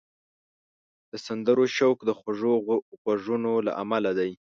د سندرو شوق د خوږو غږونو له امله دی